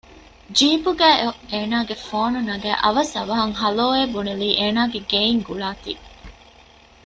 ޖީބުގައި އޮތް އޭނާގެ ފޯނު ނަގައި އަވަސް އަވަހަށް ހަލޯއޭ ބުނެލީ އޭނާގެ ގެއިން ގުޅާތީ